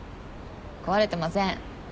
壊れてません。